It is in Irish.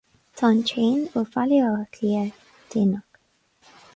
Tá an traein ó Bhaile Átha Cliath déanach.